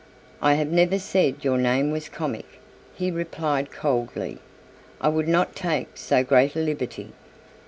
"I have never said your name was comic," he replied coldly; "I would not take so great a liberty."